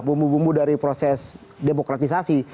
bumbu bumbu dari proses demokratisasi